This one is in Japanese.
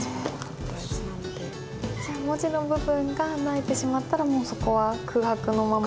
その文字の部分が穴開いてしまったらもうそこは空白のまま？